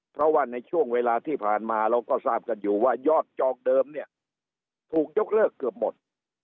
เพราะว่าในช่วงเวลาที่ผ่านมาเราก็ทราบกันอยู่ว่ายอดจองเดิมเนี่ยถูกยกเลิกเกือบหมด